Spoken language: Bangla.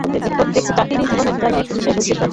প্রত্যেক জাতিরই জীবনের যেন একটি বিশেষ উদ্দেশ্য থাকে।